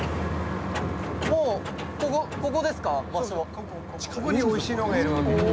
もうここですか場所？